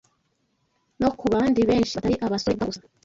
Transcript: no ku bandi benshi batari abasore ubwabo gusa.